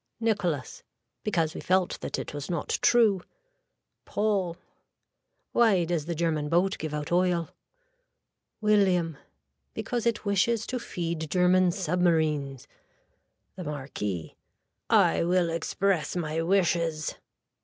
(Nicholas.) Because we felt that it was not true. (Paul.) Why does the german boat give out oil. (William.) Because it wishes to feed german submarines. (The Marquis.) I will express my wishes.